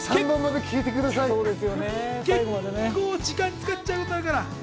結構、時間使っちゃうことになるから。